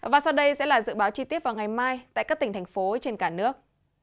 và sau đây sẽ là dự báo chi tiết vào ngày mai tại các tỉnh thành phố trên cả nước